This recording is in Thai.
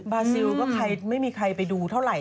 ซิลก็ไม่มีใครไปดูเท่าไหร่